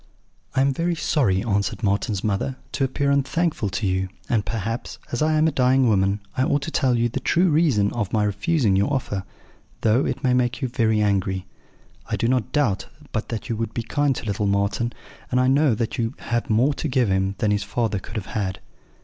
"'I am very sorry,' answered Marten's mother, 'to appear unthankful to you; and perhaps, as I am a dying woman, I ought to tell you the true reason of my refusing your offer, though it may make you angry. I do not doubt but that you would be kind to little Marten, and I know that you have more to give him than his father could have had.'